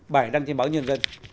bài đăng trên báo nhân dân